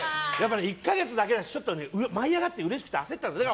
１か月だけだし舞い上がってうれしくて焦ったね。